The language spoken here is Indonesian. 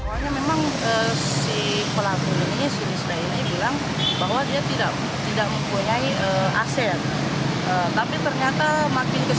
alasan sejumlah korban mencabut laporan karena ld sebagai pimpinan usaha ini berjanji mengembalikan uang